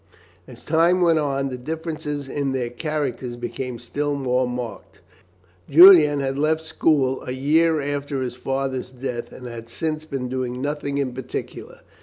As time went on the difference in their characters became still more marked. Julian had left school a year after his father's death, and had since been doing nothing in particular.